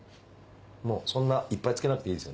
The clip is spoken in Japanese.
もうそんないっぱいつけなくていいですよね。